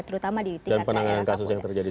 terutama di tingkatan